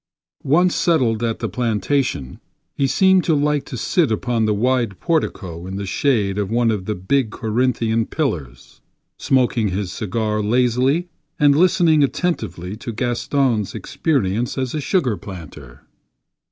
Once settled at the plantation he seemed to like to sit upon the wide portico in the shade of one of the big Corinthian pillars, smoking his cigar lazily and listening attentively to Gaston's experience as a sugar planter.